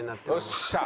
よっしゃ！